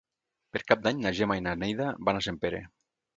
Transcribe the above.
Per Cap d'Any na Gemma i na Neida van a Sempere.